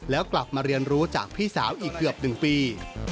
แล้วกลับมาเรียนรู้จากพี่สาวอีกเกือบ๑ปี